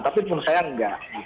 tapi menurut saya tidak